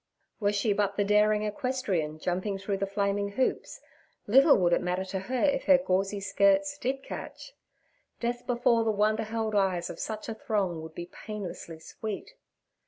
Were she but the daring equestrienne jumping through the flaming hoops, little it would matter to her if her gauzy skirts did catch. Death before the wonder held eyes of such a throng would be painlessly sweet.